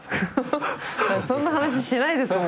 そんな話しないですもん。